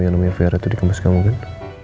yang namanya vera itu di kampus kamu kan